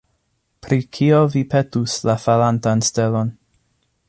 Pri kio vi petus la falantan stelon?